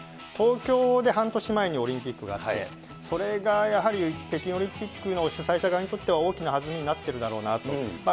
東京で半年前にオリンピックがあって、それがやはり北京オリンピックの主催者側にとっては、大きなはずみになってるだろうなと。